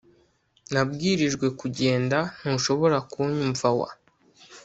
Nabwirijwe kugendaNtushobora kunyumvawa